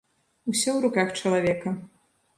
Усё ў руках чалавека.